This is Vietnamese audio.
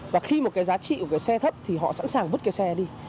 và khi một cái giá trị của cái xe thấp thì họ sẵn sàng vứt cái xe đi